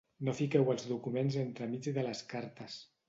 No fiqueu els documents entremig de les cartes.